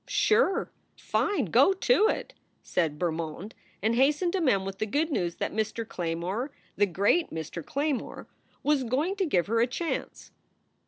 "Sure! Fine! Go to it!" said Bermond, and hastened to Mem with the good news that Mr. Claymore the great Mr. Claymore was going to give her a chance.